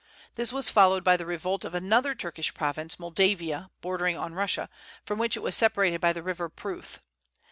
This was followed by the revolt of another Turkish province, Moldavia, bordering on Russia, from which it was separated by the River Pruth.